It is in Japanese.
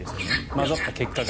混ざった結果が。